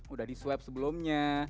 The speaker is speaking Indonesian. udah diswep sebelumnya